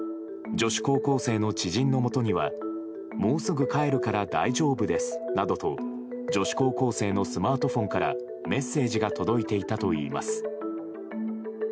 女子高校生の知人のもとにはもうすぐ帰るから大丈夫ですなどと女子高校生のスマートフォンからメッセージが届いていたといいます。